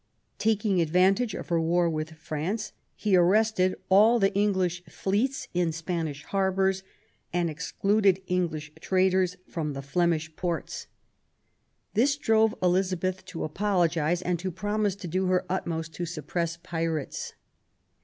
Taking advantage of her war with France, he arrested all the English fleets in Spanish harbours and excluded English traders from the Flemish ports. This drove Elizabeth to apologise and to promise to do her utmost to suppress pirates.